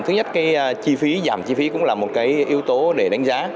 thứ nhất giảm chi phí cũng là một yếu tố để đánh giá